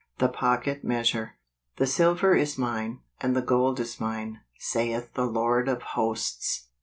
The Pocket Measure. " The silver is mine, and the gold is mine, saith the Lord of Hosts."